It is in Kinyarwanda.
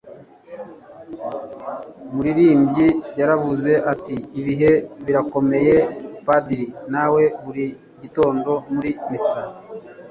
umuririmbyi yaravuze ati ibihe birakomeye padiri nawe buri gitondo, muri misa